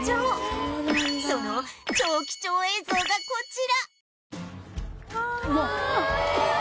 その超貴重映像がこちらああ！